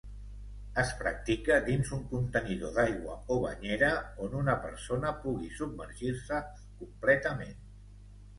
Es practica dins un contenidor d'aigua o banyera on una persona pugui submergir-se completament.